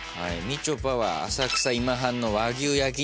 みちょぱは浅草今半の和牛焼肉